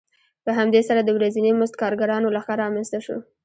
په همدې سره د ورځني مزد کارګرانو لښکر رامنځته شو